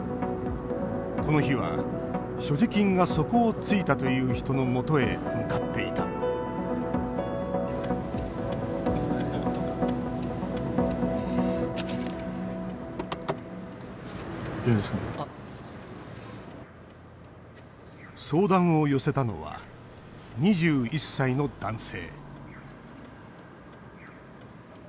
この日は、所持金が底をついたという人のもとへ向かっていた相談を寄せたのは２１歳の男性